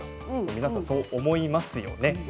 皆さん、そう思いますよね。